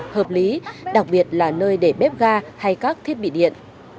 hợp lý đặc biệt là nơi để bếp ga hay các thiết bị điện